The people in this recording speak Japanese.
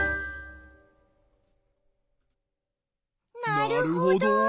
なるほど。